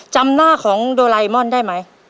จำหน้าของโดไลมอนได้ไหม